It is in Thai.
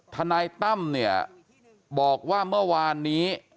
ทนายตั้มเนี่ยบอกว่าเมื่อวานนี้